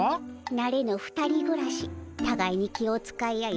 なれぬ２人ぐらしたがいに気を遣い合い